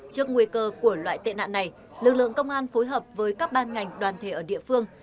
trước nguy cơ của loại tệ nạn này lực lượng công an phối hợp với các ban ngành đoàn thể ở địa phương